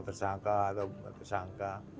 tersangka atau tersangka